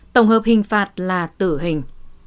tổng hợp hình phạt là tử hình